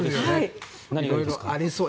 色々ありそう。